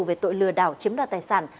về tội lừa đảo chiếm đoạt tài sản